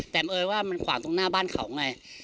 แต่บังเอิญว่ามันขวางตรงหน้าบ้านเขาไง